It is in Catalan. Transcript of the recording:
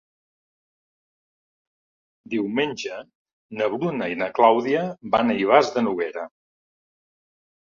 Diumenge na Bruna i na Clàudia van a Ivars de Noguera.